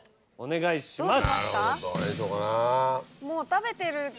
もう食べてる！